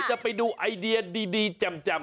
จะไปดูไอเดียดีแจ่ม